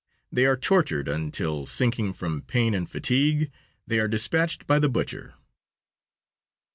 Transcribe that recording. They are tortured until, sinking from pain and fatigue, they are dispatched by the butcher.